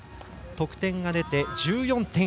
得点が出て、１４．１６６。